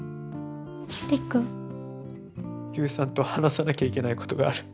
悠さんと話さなきゃいけないことがある。